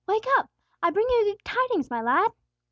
Wake up! I bring you good tidings, my lad!"